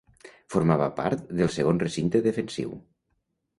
Formava part del segon recinte defensiu.